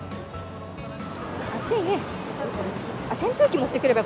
暑いね。